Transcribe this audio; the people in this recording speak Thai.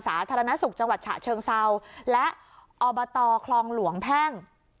สาธารณสุขจังหวัดฉะเชิงเซาและอบตคลองหลวงแพ่ง